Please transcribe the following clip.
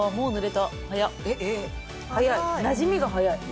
早いなじみが早い。